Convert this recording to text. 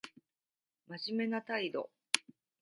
真面目な態度